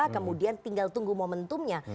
kemudian tinggal tunggu momentumnya